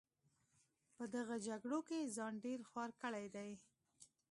په دغه جګړو کې ځان ډېر خوار کړی دی.